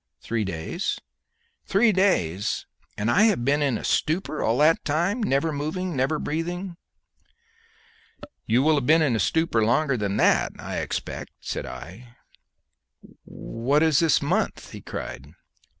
"Three days." "Three days! and I have been in a stupor all that time never moving, never breathing?" "You will have been in a stupor longer than that, I expect," said I. "What is this month?" he cried.